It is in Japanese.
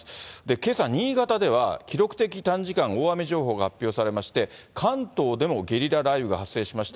けさ、新潟では記録的短時間大雨情報が発表されまして、関東でもゲリラ雷雨が発生しました。